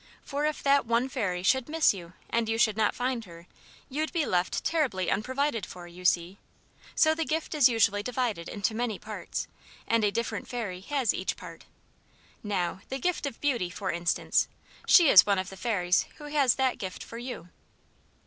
For if that one fairy should miss you and you should not find her, you'd be left terribly unprovided for, you see. So the gift is usually divided into many parts, and a different fairy has each part. Now, the gift of beauty, for instance; she is one of the fairies who has that gift for you."